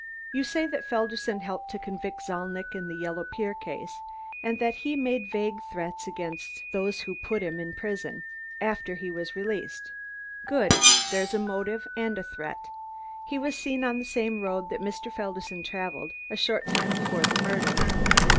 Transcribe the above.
You say that Felderson helped to convict Zalnitch in the Yellow Pier case and that he made vague threats against those who had put him in prison, after he was released. Good! There's a motive and a threat. He was seen on the same road that Mr. Felderson traveled, a short time before the murder.